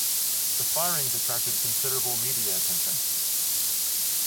The firings attracted considerable media attention.